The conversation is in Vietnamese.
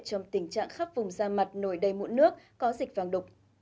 trong tình trạng khắp vùng da mặt nổi đầy mụn nước có dịch vàng đục